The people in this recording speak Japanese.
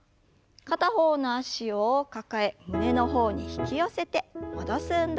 片方の脚を抱え胸の方に引き寄せて戻す運動です。